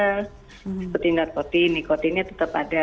seperti narkoti nikotinnya tetap ada